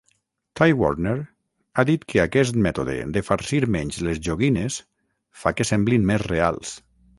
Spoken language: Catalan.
Ty Warner ha dit que aquest mètode de farcir menys les joguines fa que semblin més "reals".